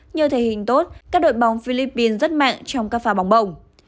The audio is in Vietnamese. nhờ thể hình tốt các đội bóng philippines rất mạnh trong các pha bóng bổng